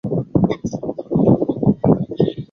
韩泷祠的历史年代为清嘉庆十四年重修。